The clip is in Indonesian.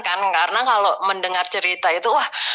karena kalau mendengar cerita itu